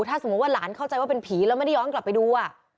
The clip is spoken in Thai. ถ้าสมมุติว่าหลานเข้าใจว่าเป็นผีแล้วไม่ได้ย้อนกลับไปดู